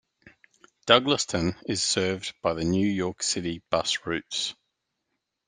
Douglaston is served by the New York City Bus routes.